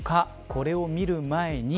これを見る前に